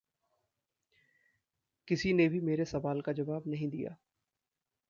किसी ने भी मेरे सवाल का जवाब नहीं दिया।